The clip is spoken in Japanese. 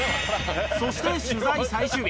そして取材最終日。